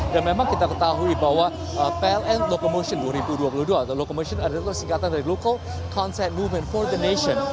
dan memang kita ketahui bahwa pln locomotion dua ribu dua puluh dua atau locomotion adalah kesingkatan dari local content movement for the nation